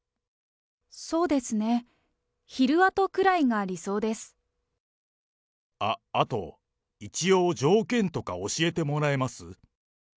そうですね、あっ、あと、一応条件とか教えてもらえます？